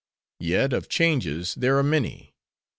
Yet, of changes there are many.